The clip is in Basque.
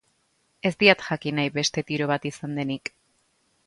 Ez diat jakin nahi beste tiro bat izan denik.